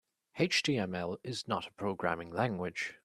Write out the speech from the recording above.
HTML is not a programming language.